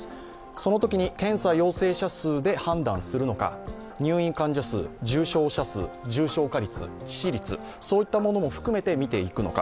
そのときに検査陽性者数で判断するのか、入院患者数、重症者数、重症化率、致死率、そういったものも含めて見ていくのか。